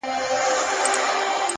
د زړه قوت خنډونه کوچني کوي.